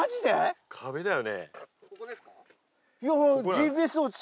ここですか？